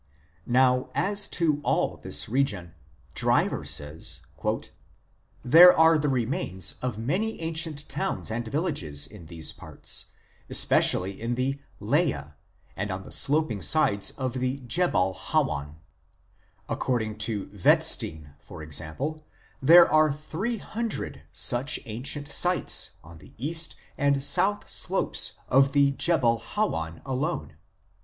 Now, as to all this region Driver says :" There are the remains of many ancient towns and villages in these parts, especially in the Leya, and on the sloping sides of the Jebel Hawan ; according to Wetzstein, for example (Hawan, 42), there are three hundred such ancient sites on the E. and S. slopes of the Jebel Hawan alone.